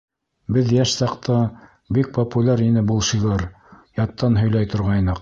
— Беҙ йәш саҡта бик популяр ине был шиғыр, яттан һөйләй торғайныҡ.